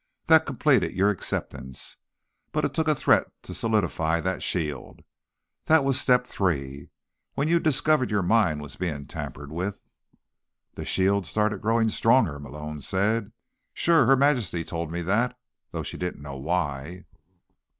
"That completed your acceptance. But it took a threat to solidify that shield. That was step three. When you discovered your mind was being tampered with—" "The shield started growing stronger," Malone said. "Sure. Her Majesty told me that, though she didn't know why."